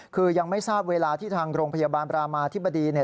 คือยังไม่ทราบเวลาที่ทางโรงพยาบาลบรามาธิบดีเนี่ย